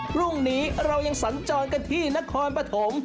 พรุ่งนี้เรายังสัญจรกันที่นครปฐม